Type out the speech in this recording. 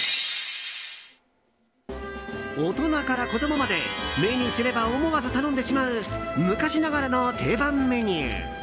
大人から子供まで目にすれば思わず頼んでしまう昔ながらの定番メニュー。